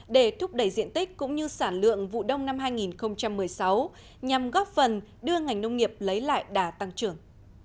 để thúc đẩy diện tích cũng như sản lượng vụ đông năm hai nghìn một mươi sáu nhằm góp phần đưa ngành nông nghiệp lấy lại đà tăng trưởng